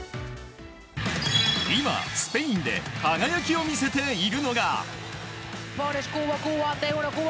今、スペインで輝きを見せているのが。